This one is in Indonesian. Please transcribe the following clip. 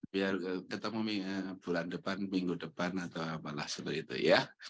biar ketemu bulan depan minggu depan atau apalah seperti itu ya